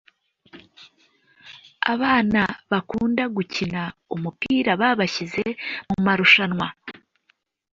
Abana bakunda gukina umupira babashyize mumarushanwa